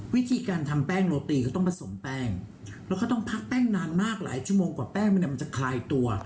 วิธีการทำแป้งโรตีก็ต้องผสมแป้งแล้วก็ต้องพักแป้งนานมากหลายชั่วโมงกว่าแป้งมันเนี่ยมันจะคลายตัว